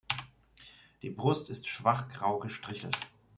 Die Brust ist schwach grau gestrichelt.